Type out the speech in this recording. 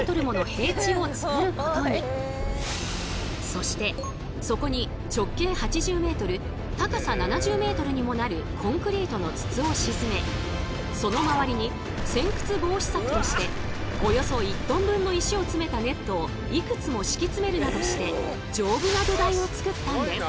そしてそこに直径８０ｍ高さ７０ｍにもなるコンクリートの筒を沈めその周りに洗掘防止策としておよそ１トン分の石を詰めたネットをいくつも敷き詰めるなどして丈夫な土台をつくったんです。